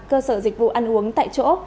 cơ sở dịch vụ ăn uống tại chỗ